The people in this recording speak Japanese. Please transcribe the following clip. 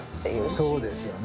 そうですよね。